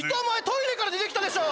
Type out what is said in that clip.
トイレから出てきたでしょ。